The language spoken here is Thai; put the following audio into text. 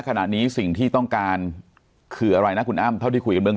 ขณะนี้สิ่งที่ต้องการคืออะไรนะคุณอ้ำเท่าที่คุยกันเบื้อง